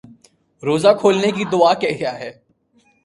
روزہ کھولنے کی دعا کیا ہے